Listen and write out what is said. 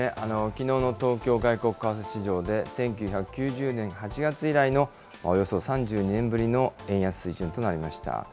きのうの東京外国為替市場で、１９９０年８月以来のおよそ３２年ぶりの円安水準となりました。